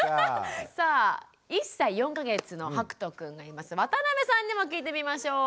さあ１歳４か月のはくとくんがいます渡邊さんにも聞いてみましょう。